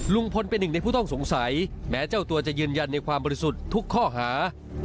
ลุงพลเป็นหนึ่งในผู้ต้องสงสัยแม้เจ้าตัวจะยืนยันในความบริสุทธิ์ทุกข้อหา